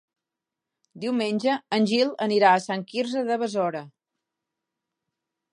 Diumenge en Gil anirà a Sant Quirze de Besora.